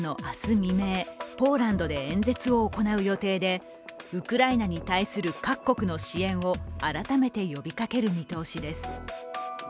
未明、ポーランドで演説を行う予定でウクライナに対する各国の支援を改めて呼びかける見通しです。